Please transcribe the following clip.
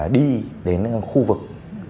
đi đến khu vực